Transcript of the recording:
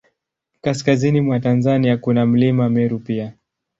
Kaskazini mwa Tanzania, kuna Mlima Meru pia.